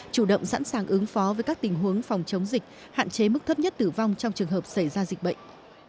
chủ động sẵn sàng ứng phó với các tình huống phòng chống dịch hạn chế mức thấp nhất tử vong trong trường hợp xảy ra dịch bệnh